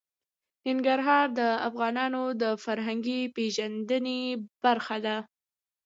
ننګرهار د افغانانو د فرهنګي پیژندنې برخه ده.